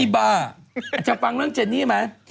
อาจจะฟังเรื่องเจนนี่ไหม